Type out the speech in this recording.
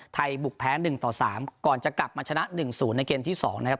บุกแพ้๑ต่อ๓ก่อนจะกลับมาชนะ๑๐ในเกมที่๒นะครับ